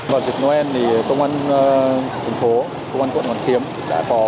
vào dịch noel thì công an phố công an quận hoàn kiếm đã có